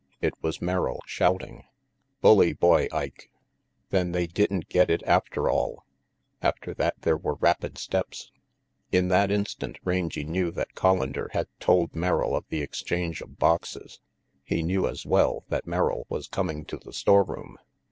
It was Merrill, shouting: " Bully boy, Ike. Then they didn't get it after all." After that there were rapid steps. In that instant Rangy knew that (Hollander had told Merrill of the exchange of boxes. He knew, as well, that Merrill was coming to the storeroom.